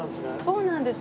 そうなんです。